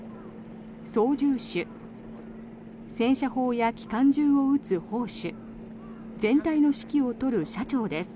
操縦手戦車砲や機関銃を撃つ砲手全体の指揮を執る車長です。